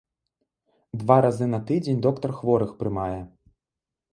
Два разы на тыдзень доктар хворых прымае.